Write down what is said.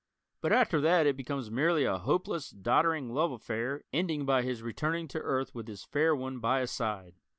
But after that it becomes merely a hopeless, doddering love affair ending by his returning to Earth with his fair one by his side.